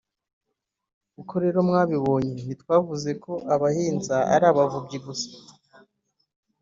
uko rero mwabibonye, ntitwavuze ko abahinza bari abavubyi gusa